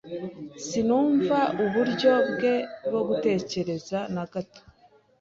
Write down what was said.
Sinumva uburyo bwe bwo gutekereza na gato.